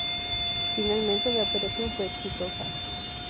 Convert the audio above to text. Finalmente, la operación fue exitosa.